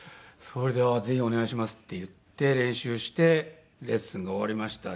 それで「ああぜひお願いします」って言って練習してレッスンが終わりました。